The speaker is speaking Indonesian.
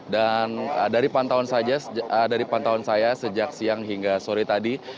dari pantauan saya sejak siang hingga sore tadi